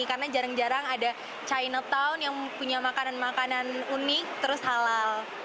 karena jarang jarang ada chinatown yang punya makanan makanan unik terus halal